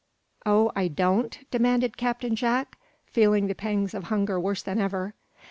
"Oh, I don't?" demanded Captain Jack, feeling the pangs of hunger worse than ever.